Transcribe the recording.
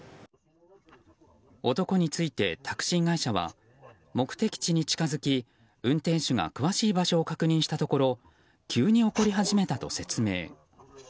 男について、タクシー会社は目的地に近づき、運転手が詳しい場所を確認したところ急に怒り始めたと説明。